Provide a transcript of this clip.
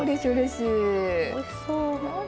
おいしそう。